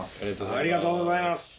ありがとうございます。